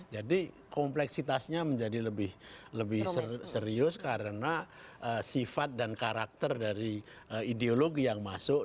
jadi kompleksitasnya menjadi lebih serius karena sifat dan karakter dari ideologi yang masuk